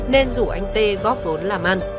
nên rủ anh t góp vốn làm ăn